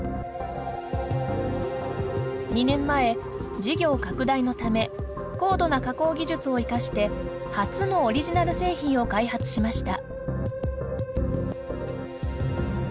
２年前、事業拡大のため高度な加工技術を生かして初のオリジナル製品を開発しました。